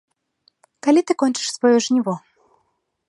Калі ты кончыш сваё жніво?